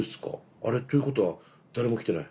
あれということは誰も来てない？